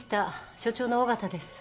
署長の緒方です。